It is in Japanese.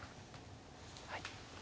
はい。